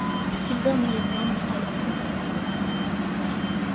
Le Silver Millenium n'est alors plus que ruines.